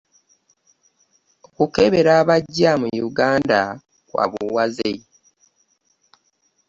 Okukebera abajja mu Uganda kwa buwaze.